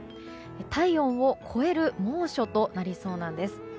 体温を超える猛暑となりそうなんです。